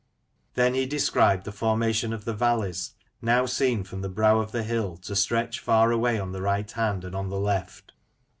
Then he described the formation of the valleys, now seen from the brow of the hill to stretch far away on the right hand and on the left.